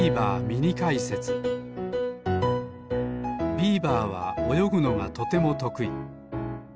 ビーバーはおよぐのがとてもとくい。